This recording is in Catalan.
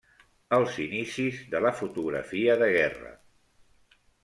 Els inicis de la fotografia de guerra.